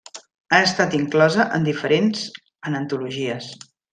Ha estat inclosa en diferents en antologies.